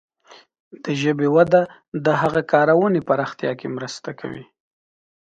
د ژبې وده د هغه کارونې پراختیا کې مرسته کوي.